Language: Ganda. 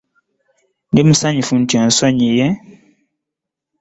Ndi musanyufu nti onsonyiye.